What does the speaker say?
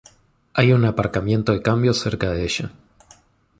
Hay un aparcamiento de cambio cerca de ella.